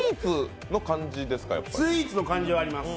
スイーツの感じはあります。